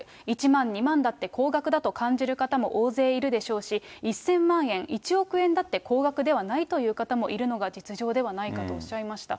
１万、２万だって高額だと感じる方も大勢いるでしょうし、１０００万円、１億円だって高額ではないという方もいるのが実情ではないかとおっしゃいました。